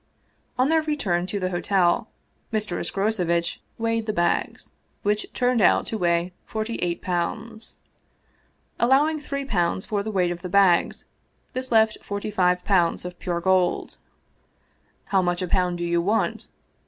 On their return to the hotel, Mr. Escrocevitch weighed the bags, which turned out to weigh forty eight pounds. Allowing three pounds for the weight of the bags, this left forty five pounds of pure gold. " How much a pound do you want